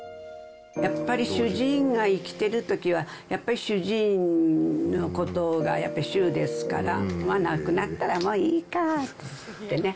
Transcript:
やっぱり主人が生きてるときは、やっぱり主人のことがやっぱり主ですから、亡くなったらまあいいかってね。